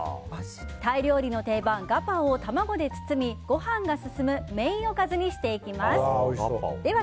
タイ料理の定番、ガパオを卵で包みご飯が進むメインおかずにしていきます。